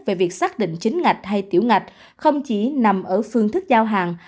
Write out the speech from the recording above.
về việc xác định chính ngạch hay tiểu ngạch không chỉ nằm ở phương thức giao hàng